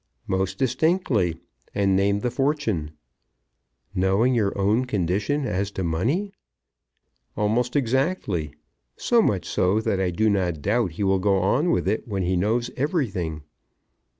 "Most distinctly, and named the fortune." "Knowing your own condition as to money?" "Almost exactly; so much so that I do not doubt he will go on with it when he knows everything.